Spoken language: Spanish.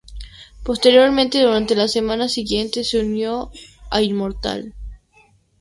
Posteriormente durante las semanas siguientes se unió a Immortal.